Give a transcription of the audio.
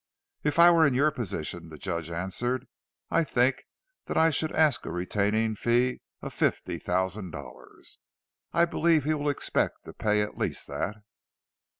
"If I were in your position," the Judge answered, "I think that I should ask a retaining fee of fifty thousand dollars. I believe he will expect to pay at least that."